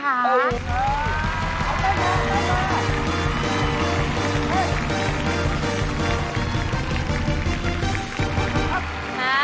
เออเอาไปเยอะ